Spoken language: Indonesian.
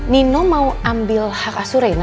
nino mau ambil hak asuh reina